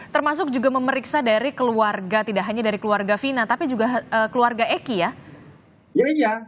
termasuk juga memeriksa dari keluarga tidak hanya dari keluarga fina tapi juga keluarga eki ya